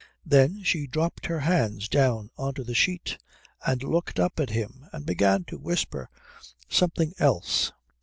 Then she dropped her hands down on to the sheet and looked up at him and began to whisper something else.